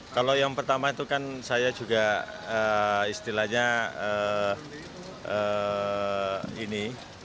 kalau yang pertama itu kan saya juga istilahnya ini